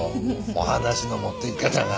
お話の持っていき方が。